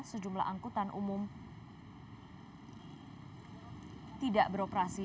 sejumlah angkutan umum tidak beroperasi